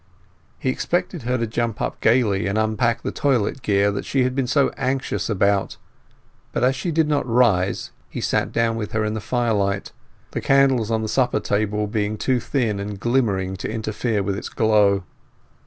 He expected her to jump up gaily and unpack the toilet gear that she had been so anxious about, but as she did not rise he sat down with her in the firelight, the candles on the supper table being too thin and glimmering to interfere with its glow.